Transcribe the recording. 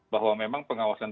bahwa memang pengawasan